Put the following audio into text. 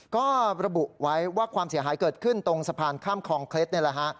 ก็ระบุไว้ว่าความเสียหายเกิดขึ้นตรงสะพานข้ามคลองเคล็ดนี่แหละฮะ